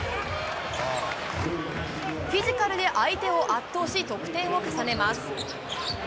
フィジカルで相手を圧倒し得点を重ねます。